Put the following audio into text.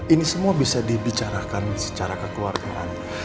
ini semua bisa dibicarakan secara kekeluargaan